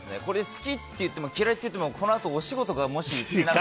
好きと言っても嫌いと言ってもこのあと、お仕事がもし。